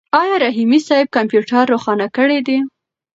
آیا رحیمي صیب کمپیوټر روښانه کړی دی؟